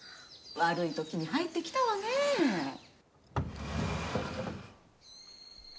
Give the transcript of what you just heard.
悪い時に入ってきたわねえ。